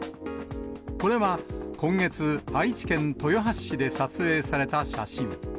これは今月、愛知県豊橋市で撮影された写真。